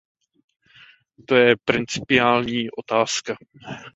To je principiální otázka.